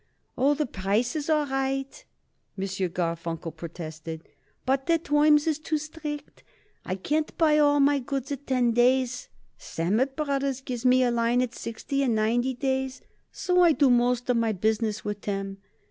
"Oh, the price is all right," M. Garfunkel protested, "but the terms is too strict. I can't buy all my goods at ten days. Sammet Brothers gives me a line at sixty and ninety days, and so I do most of my business with them.